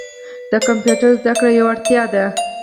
د کمپیوټر زده کړه یوه اړتیا ده.